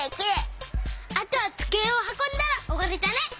あとはつくえをはこんだらおわりだね！